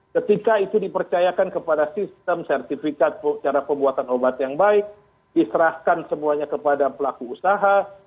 ketika itu dipercayakan kepada sistem sertifikat cara pembuatan obat yang baik diserahkan semuanya kepada pelaku usaha